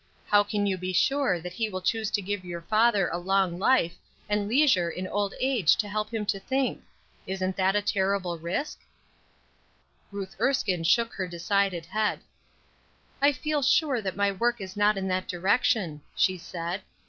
How can you be sure that he will choose to give your father a long life, and leisure in old age to help him to think? Isn't that a terrible risk?" Ruth Erskine shook her decided head. "I feel sure that my work is not in that direction," she said.